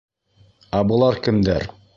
Ә былар кемдәр?